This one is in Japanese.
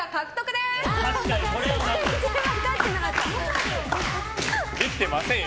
できてませんよ。